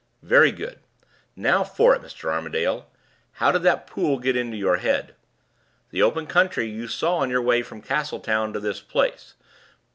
Very good; now for it, Mr. Armadale! How did that pool get into your head? The open country you saw on your way from Castletown to this place.